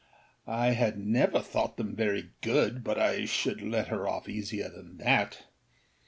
â I had never thought them very good, but I should let her off easier than that.